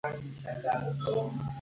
وروسته د درد کمېدو، پر ذهن فشار زیاتېږي.